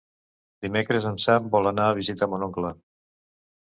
Dimecres en Sam vol anar a visitar mon oncle.